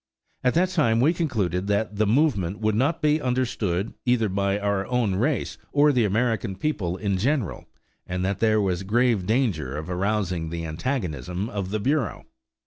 At that time we concluded that the movement would not be understood either by our own race or the American people in general, and that there was grave danger of arousing the antagonism of the Bureau.